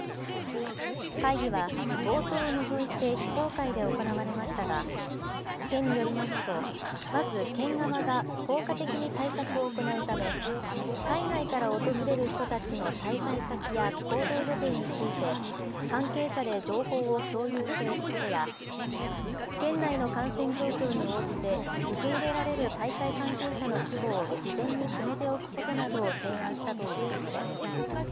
会議は冒頭を除いて非公開で行われましたが、県によりますと、まず県側が効果的に対策を行うため、海外から訪れる人たちの滞在先や行動予定について、関係者で情報を共有しておくことや、県内の感染状況に応じて、受け入れられる大会関係者の規模を事前に決めておくことなどを提案したということです。